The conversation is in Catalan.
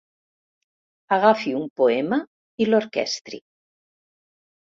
Agafi un poema i l'orquestri.